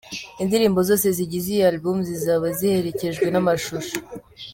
Indirimbo zose zigize iyi album, zizaba ziherekejwe n’amashusho.